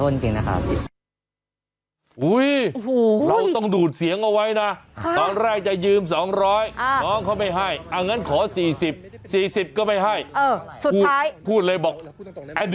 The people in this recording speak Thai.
เลือบที่ยืมน้องได้ไหมสัก๔๐วัน